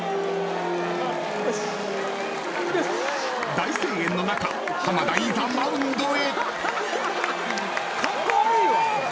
［大声援の中浜田いざマウンドへ］